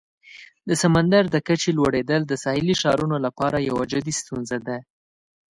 د سمندر د کچې لوړیدل د ساحلي ښارونو لپاره یوه جدي ستونزه ده.